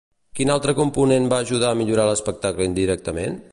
Quin altre component va ajudar a millorar l'espectacle indirectament?